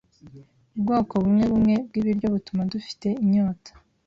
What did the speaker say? Ubwoko bumwebumwe bwibiryo butuma dufite inyota.